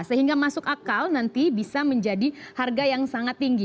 sehingga masuk akal nanti bisa menjadi harga yang sangat tinggi